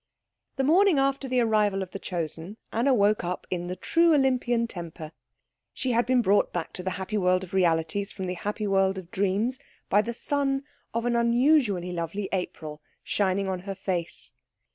The morning after the arrival of the Chosen, Anna woke up in the true Olympian temper. She had been brought back to the happy world of realities from the happy world of dreams by the sun of an unusually lovely April shining on her face.